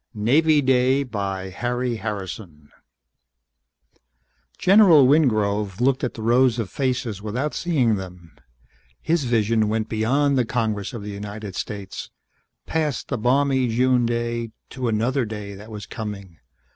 _ NAVY DAY By Harry Harrison Illustrated by Kelly Freas General Wingrove looked at the rows of faces without seeing them. His vision went beyond the Congress of the United States, past the balmy June day to another day that was coming.